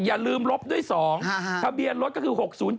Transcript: อย่าลืมลบด้วย๒ทะเบียนรถก็คือ๖๐๗